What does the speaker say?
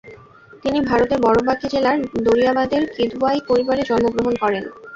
তিনি ভারতের বড়বাঁকী জেলার দারিয়াবাদের কিদওয়াই পরিবারে জন্মগ্রহণ করেন।